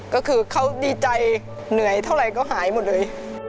ก็คือเขาดีใจเหนื่อยเท่าไหร่ก็หายหมดเลย